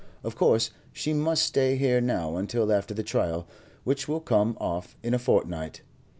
Of course she must stay here now until after the trial, which will come off in a fortnight.